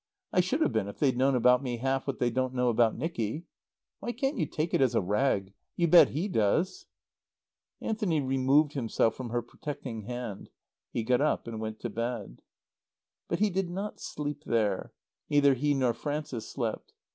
I should have been if they'd known about me half what they don't know about Nicky. Why can't you take it as a rag? You bet he does." Anthony removed himself from her protecting hand. He got up and went to bed. But he did not sleep there. Neither he nor Frances slept.